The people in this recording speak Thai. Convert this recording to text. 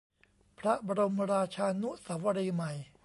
พระบรมราชานุสาวรีย์ใหม่